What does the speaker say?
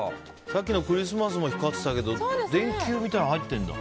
さっきのクリスマスも光ってたけど電球みたいなのが入ってるんだ。